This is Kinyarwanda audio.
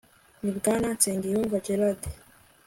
ni bwana nsengiyumva jeradi